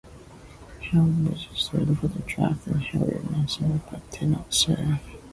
Henry registered for the draft as "Henry Whitpenn" but did not serve.